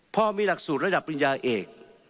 เพราะมีหลักสูตรระดับลินญาเอก